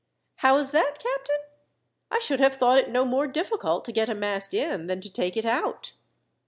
"How is that, captain? I should have thought it no more difficult to get a mast in than to take it out."